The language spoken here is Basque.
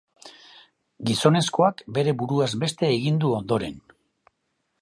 Gizonezkoak bere buruaz beste egin du ondoren.